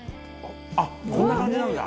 こんな感じなんだ。